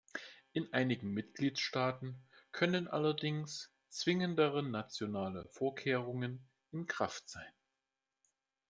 In einigen Mitgliedstaaten können allerdings zwingendere nationale Vorkehrungen in Kraft sein.